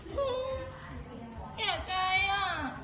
แก่ใจอ่ะ